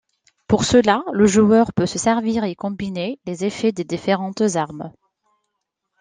Pour cela, le joueur peut se servir et combiner les effets de différentes armes.